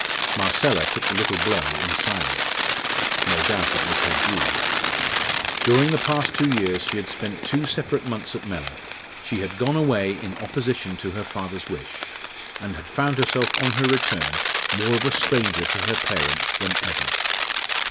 Marcella took the little blow in silence. No doubt it was her due. During the past two years she had spent two separate months at Mellor; she had gone away in opposition to her father's wish; and had found herself on her return more of a stranger to her parents than ever.